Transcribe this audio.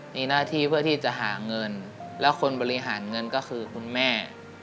มีหน้าที่เพื่อที่จะหาเงินแล้วคนบริหารเงินก็คือคุณแม่